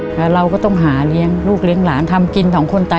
แล้วเราก็ต้องหาเลี้ยงลูกเลี้ยงหลานทำกินของคนตาย